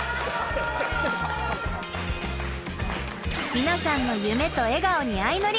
皆さんの夢と笑顔にあいのり。